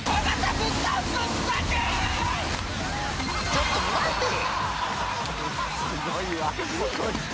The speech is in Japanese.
「ちょっと待てぃ‼」